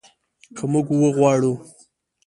که موږ وغواړو.